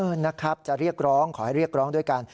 นะครับจะเรียกร้องขอให้เรียกร้องด้วยกัน